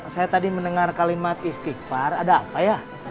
saya tadi mendengar kalimat istighfar ada apa ya